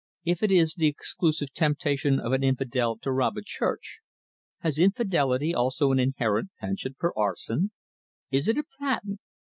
"If it is the exclusive temptation of an infidel to rob a church, has infidelity also an inherent penchant for arson? Is it a patent?